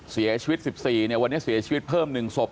เสียชีวิต๑๔วันนี้เสียชีวิตเพิ่ม๑ศพ